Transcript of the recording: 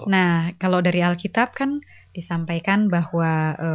nah kalau dari alkitab kan disampaikan bahwa